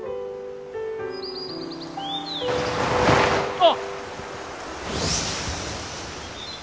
あっ！